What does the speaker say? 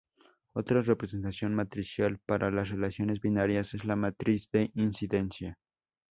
Otra representación matricial para las relaciones binarias es la matriz de incidencia.